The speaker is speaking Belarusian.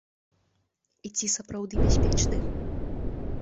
І ці сапраўды бяспечны?